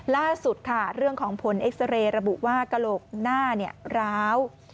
ล่าสุดค่ะเรื่องของผลเอ็กซาเรย์ระบุว่ากระโหลกหน้าร้าว